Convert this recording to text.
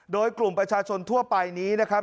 โดยกลุ่มประชาชนทั่วไปนี้นะครับ